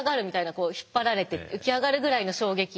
こう引っ張られて浮き上がるぐらいの衝撃。